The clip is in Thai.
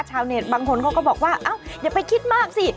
ชาวเน็ตบางคนเขาก็บอกว่าอย่าไปคิดมากสิ